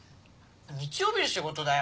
日曜日に仕事だよ。